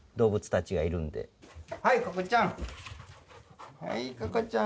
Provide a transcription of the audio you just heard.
はいココちゃん。